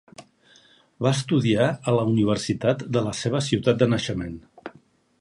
Va estudiar a la universitat de la seva ciutat de naixement.